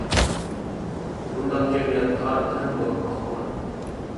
بۇنداق جەمئىيەت تارىختا ھەم بولۇپ باقمىغان.